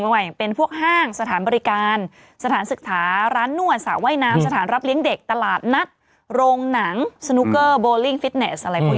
มีพวกห้างสถานบริการสถานศึกษาร้านนวดสถานรับเลี้ยงเด็กตลาดนัดโรงหนังสนุกเกอร์บโล่ลิ่งฟิตเนสอะไรพวกอย่างนี้